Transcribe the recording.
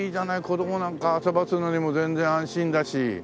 子どもなんか遊ばすのにも全然安心だし。